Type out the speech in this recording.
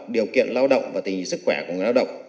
điều kiện lao động và tình hình sức khỏe của người lao động